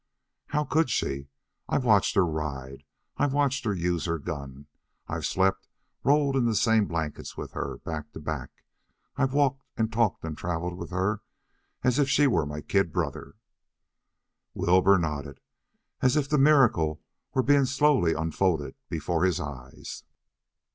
"How could she? I've watched her ride; I've watched her use her gun; I've slept rolled in the same blankets with her, back to back; I've walked and talked and traveled with her as if she were my kid brother." Wilbur nodded, as if the miracle were being slowly unfolded before his eyes.